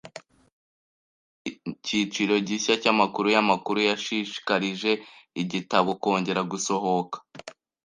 niko niki cyiciro gishya cyamakuru yamakuru yashishikarije igitabo kongera gusohoka.